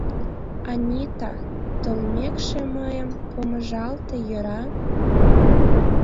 — Анита, толмекше, мыйым помыжалте, йӧра?